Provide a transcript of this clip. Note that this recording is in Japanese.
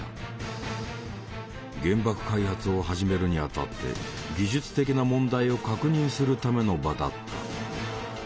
原爆開発を始めるにあたって技術的な問題を確認するための場だった。